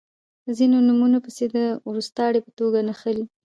په ځینو نومونو پسې د وروستاړي په توګه نښلی